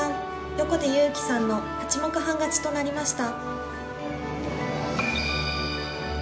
横手悠生さんの８目半勝ちとなりました。